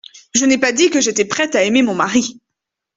Je n'ai pas dit que j'étais prête à aimer mon mari.